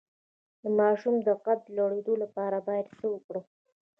د ماشوم د قد د لوړیدو لپاره باید څه ورکړم؟